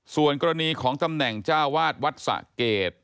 ส่วนกรณีของตำแหน่งเจ้าวาดวัดสะเกด